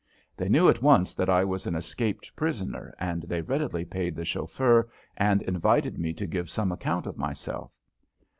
They knew at once that I was an escaped prisoner and they readily paid the chauffeur and invited me to give some account of myself.